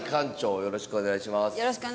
よろしくお願いします。